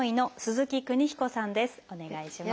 お願いします。